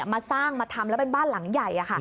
มาสร้างมาทำแล้วเป็นบ้านหลังใหญ่